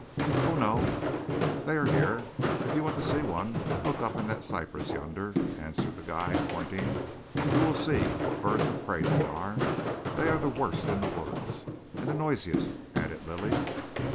"Oh, no. They are here. If you want to see one, look up in that cypress yonder," answered the guide, pointing. "You will see what birds of prey they are. They are the worst in the woods, and the noisiest," added Lilly.